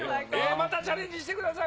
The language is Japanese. またチャレンジしてください